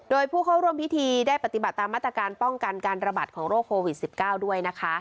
โดยผู้เข้าร่วมพิธีได้ปฏิบัติตามมาตรการป้องกันการระบาดของโรคโควิด๑๙ด้วยนะคะ